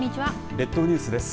列島ニュースです。